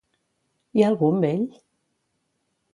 Hi ha algú amb ell?